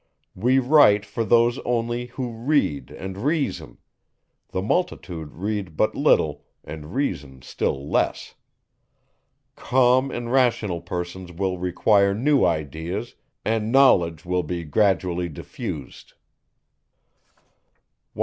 We write for those only, who read and reason; the multitude read but little, and reason still less. Calm and rational persons will require new ideas, and knowledge will be gradually diffused. 196.